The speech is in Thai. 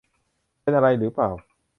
เป็นอะไรหรือเปล่า